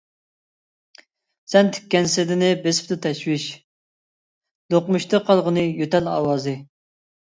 سەن تىككەن سېدىنى بېسىپتۇ تەشۋىش، دوقمۇشتا قالغىنى يۆتەل ئاۋازى.